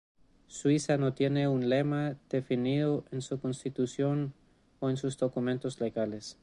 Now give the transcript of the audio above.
Suiza no tiene un lema definido en su constitución o en sus documentos legales.